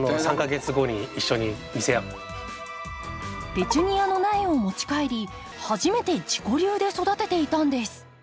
ペチュニアの苗を持ち帰り初めて自己流で育てていたんです。